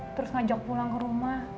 terus ngajak pulang ke rumah